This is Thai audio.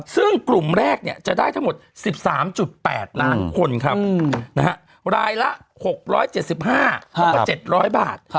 ซึ่งกลุ่มแรกจะได้ทั้งหมด๑๓๘ล้านคนครับรายละ๖๗๕แล้วก็๗๐๐บาท